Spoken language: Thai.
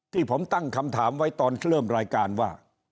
ที่ผมตั้งคำถามไว้ตอนเริ่มรายการว่า